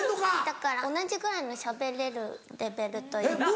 だから同じぐらいのしゃべれるレベルというか。